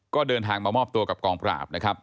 ก็เดินทางมามอบตัวกับกองปราบนะครับ